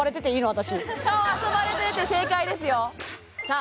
私顔遊ばれてて正解ですよさあ